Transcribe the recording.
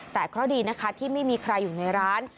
แต่เคราะห์ดีนะคะที่ไม่มีใครอยู่ในร้าน